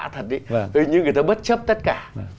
thật đấy hình như người ta bất chấp tất cả